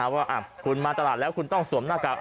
ว่าคุณมาตลาดแล้วคุณต้องสวมหน้ากาก